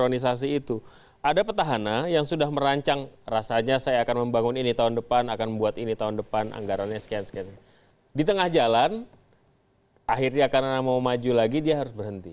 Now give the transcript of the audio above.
di tengah jalan akhirnya karena mau maju lagi dia harus berhenti